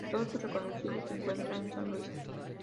Todo su recorrido se encuentra en San Luis.